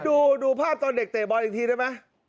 ดูภาพตอนเด็กเตะบอลอีกทีได้ไหม